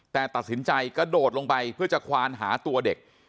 แต่ตัดสินใจกระโดดลงไปเพื่อจะควานหาตัวเด็ก